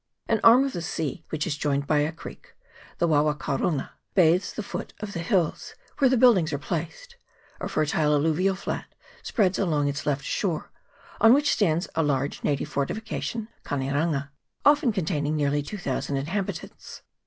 An arm of the sea, which is joined by a creek, the Wawakaurunga, bathes the foot of the hills, where the buildings are placed ; a fertile allu vial flat spreads along its left shore, on which stands a large native fortification, Kaneranga, often con taining nearly 2000 inhabitants.